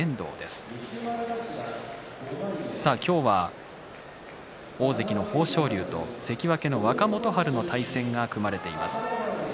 今日は大関の豊昇龍と関脇の若元春の対戦が組まれています。